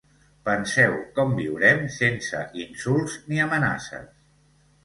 Penseu com viurem sense insults ni amenaces.